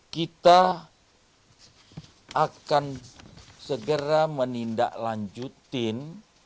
kita akan segera menindaklanjutkan